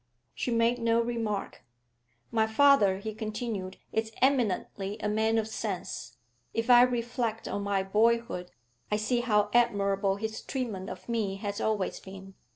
She made no remark. 'My father,' he continued, 'is eminently a man of sense; if I reflect on my boyhood, I see how admirable his treatment of me has always been.